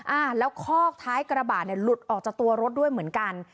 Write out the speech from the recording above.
อ่าแล้วคอกท้ายกระบะเนี่ยหลุดออกจากตัวรถด้วยเหมือนกัน